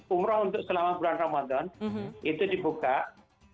umroh untuk selama bulan ramadan itu dibuka